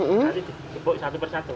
nanti dikepuk satu per satu